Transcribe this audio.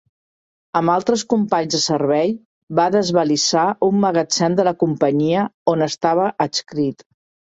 Amb altres companys de servei, va desvalisar un magatzem de la companyia on estava adscrit.